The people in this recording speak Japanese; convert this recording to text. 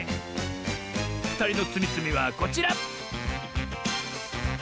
ふたりのつみつみはこちら！